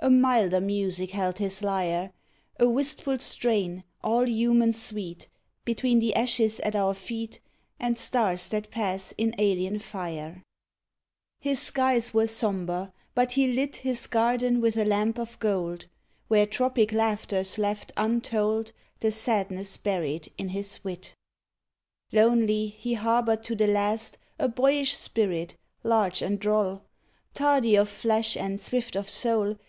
A milder music held his lyre — A wistful strain, all human sweet. Between the ashes at our feet And stars that pass in alien fire. 129 PERSONAL POEMS His skies were sombre, but he lit His garden with a lamp of gold, Where tropic laughters left untold The sadness buried in his wit. Lonely, he harbored to the last A boyish spirit, large and droll; Tardy of flesh and swift of soul.